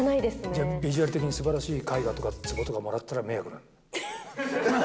じゃあ、ビジュアル的にすばらしい絵画とかつぼとかもらったら迷惑なの？